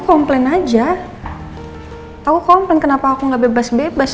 kenapa saya tidak bebas bebas